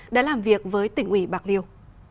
đã làm việc với tỉnh ủy bạc liêu